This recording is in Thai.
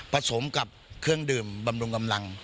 สมกับเครื่องดื่มบำรุงกำลัง